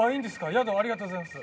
宿ありがとうございます